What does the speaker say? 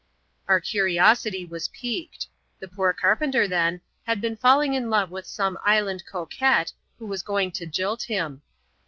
" Our curiosity was piqued ; the poor carpenter, then, had been falling in love with some island coquet, who was going to jilt him.